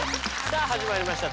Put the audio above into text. さあ始まりました